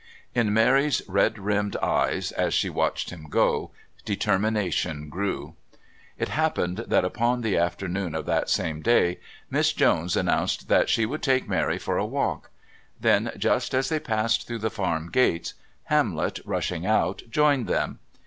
In Mary's red rimmed eyes, as she watched him go, determination grew. It happened that upon the afternoon of that same day Miss Jones announced that she would take Mary for a walk; then, just as they passed through the farm gates, Hamlet, rushing out, joined them.